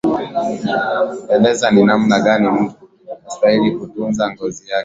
elezea ni namna gani mtu anastahili kutunza ngozi yake